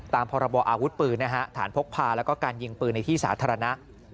พรบออาวุธปืนนะฮะฐานพกพาแล้วก็การยิงปืนในที่สาธารณะ